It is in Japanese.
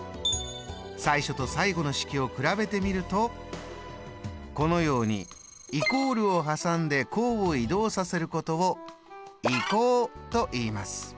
最初と最後の式を比べてみるとこのようにイコールを挟んで項を移動させることを「移項」といいます。